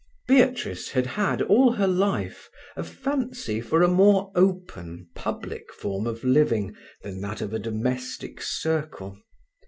Beatrice had had all her life a fancy for a more open, public form of living than that of a domestic circle.